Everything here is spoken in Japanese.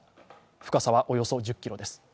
深さは、およそ１０ｋｍです。